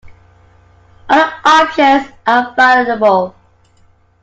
Other options are available.